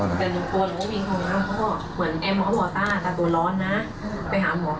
หนูเห็นค่ะหนูก็นอนเล่นอยู่ตรงนี้